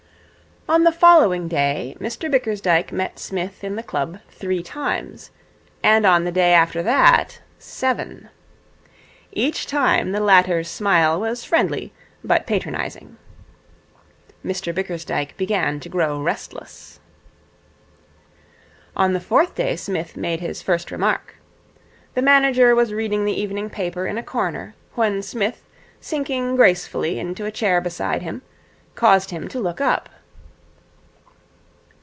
On the following day Mr Bickersdyke met Psmith in the club three times, and on the day after that seven. Each time the latter's smile was friendly, but patronizing. Mr Bickersdyke began to grow restless. On the fourth day Psmith made his first remark. The manager was reading the evening paper in a corner, when Psmith sinking gracefully into a chair beside him, caused him to look up.